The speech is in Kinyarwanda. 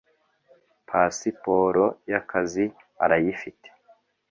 Pasiporo y ‘akazi arayifite.